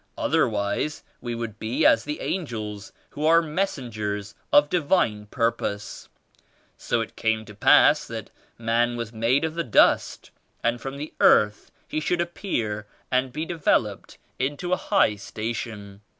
Otherwise we would be as the angels who are messengers of Divine Purpose. So it came to pass that man was made of the dust and from the earth he should appear and be devel oped into a high station.